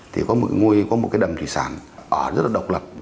thì có một cái đầm thủy sản ở rất là độc lập